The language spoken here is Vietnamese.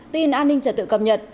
tin an ninh trật tự cập nhật